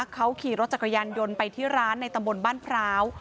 เขาขี่รถจักรยานยนต์ไปที่ร้านในตำบลบ้านพร้าว